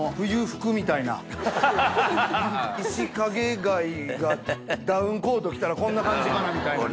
イシカゲ貝がダウンコート着たらこんな感じかなみたいな。